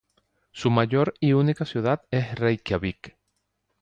Su mayor y única ciudad es Reikiavik.